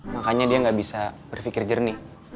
makanya dia nggak bisa berpikir jernih